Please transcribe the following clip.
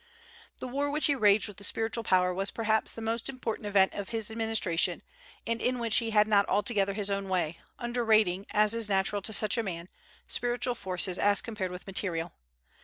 The war which he waged with the spiritual power was perhaps the most important event of his administration, and in which he had not altogether his own way, underrating, as is natural to such a man, spiritual forces as compared with material.